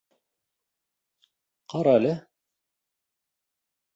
— Ҡара әле.